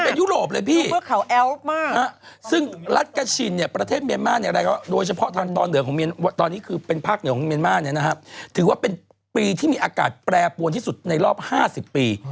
เป็นยุโรปเลยพี่ซึ่งรัชกาชินประเทศเมียนมานโดยเฉพาะตอนเหนือของเมียนมานถือว่าเป็นปีที่มีอากาศแปรปวนที่สุดในรอบ๕๐ปี